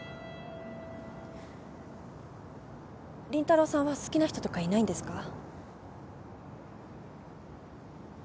凛太郎さんは好きな人とかいないんですか？